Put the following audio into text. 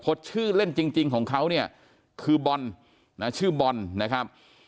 เพราะชื่อเล่นจริงของเขาเนี่ยคือบอลนะชื่อบอลนะครับ